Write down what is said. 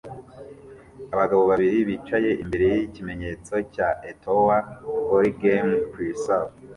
Abagabo babiri bicaye imbere yikimenyetso cya "Etowah Valley Game Preserve"